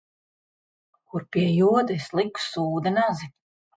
Kur, pie joda, es liku sūda nazi?